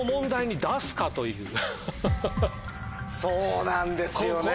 そうなんですよね！